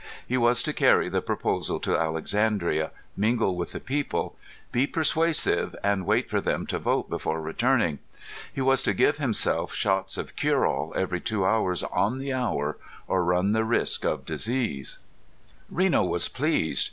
He was to carry the proposal to Alexandria, mingle with the people, be persuasive and wait for them to vote before returning. He was to give himself shots of cureall every two hours on the hour or run the risk of disease. Reno was pleased.